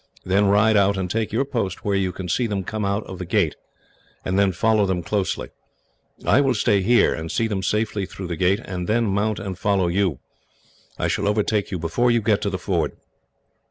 Then ride out, and take your post where you can see them come out of the gate, and then follow them closely. I will stay here, and see them safely through the gate, and then mount and follow you. I shall overtake you before you get to the ford."